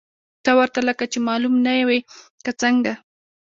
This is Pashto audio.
ته ورته لکه چې معلوم نه وې، که څنګه؟